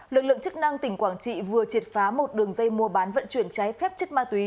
lực lượng chức năng tỉnh quảng trị vừa triệt phá một đường dây mua bán vận chuyển trái phép chất ma túy